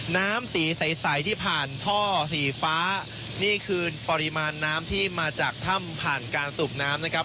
น้ำสีใสที่ผ่านท่อสีฟ้านี่คือปริมาณน้ำที่มาจากถ้ำผ่านการสูบน้ำนะครับ